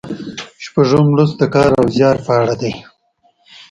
شپږم لوست د کار او زیار په اړه دی.